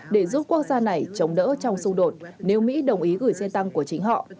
để giúp quốc gia này chống đỡ trong xung đột nếu mỹ đồng ý gửi xe tăng của chính họ